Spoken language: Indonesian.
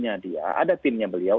ada timnya beliau